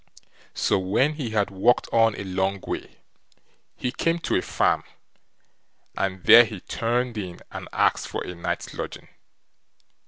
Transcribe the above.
So when he had walked on a long way, he came to a farm, and there he turned in and asked for a night's lodging.